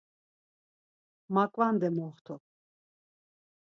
Maǩvande moxtu.